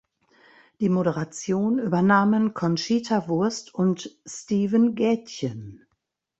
Die Moderation übernahmen Conchita Wurst und Steven Gätjen.